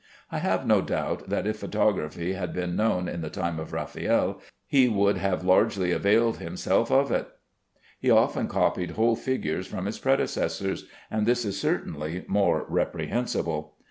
I have no doubt that if photography had been known in the time of Raffaelle he would have largely availed himself of it. He often copied whole figures from his predecessors, and this is certainly more reprehensible.